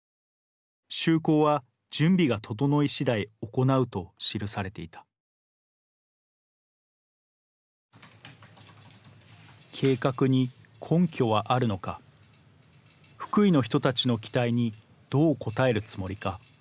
就航は準備が整い次第行う」と記されていた計画に根拠はあるのか福井の人たちの期待にどう応えるつもりか